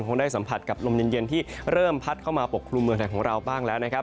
คงได้สัมผัสกับลมเย็นที่เริ่มพัดเข้ามาปกครุมเมืองไทยของเราบ้างแล้วนะครับ